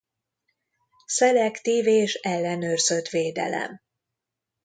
Szelektív és ellenőrzött védelem.